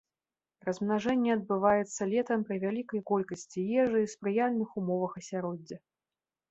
Размнажэнне адбываецца летам пры вялікай колькасці ежы і спрыяльных умовах асяроддзя.